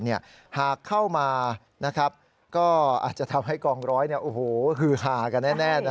หากเข้ามาก็อาจจะทำให้กองร้อยฮือฮากันแน่